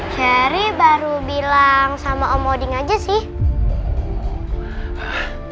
cherry baru bilang sama om odin aja sih